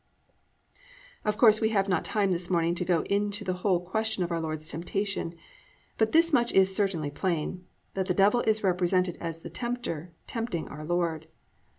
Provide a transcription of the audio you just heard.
"+ Of course we have not time this morning to go into the whole question of our Lord's temptation, but this much is certainly plain, that the Devil is represented as the tempter, tempting our Lord.